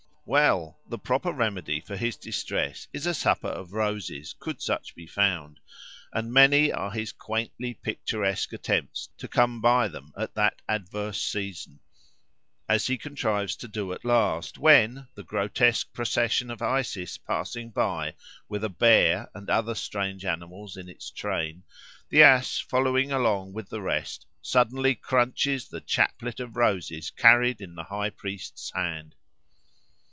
Well! the proper remedy for his distress is a supper of roses, could such be found, and many are his quaintly picturesque attempts to come by them at that adverse season; as he contrives to do at last, when, the grotesque procession of Isis passing by with a bear and other strange animals in its train, the ass following along with the rest suddenly crunches the chaplet of roses carried in the High priest's hand.